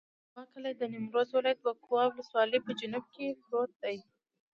د بکوا کلی د نیمروز ولایت، بکوا ولسوالي په جنوب کې پروت دی.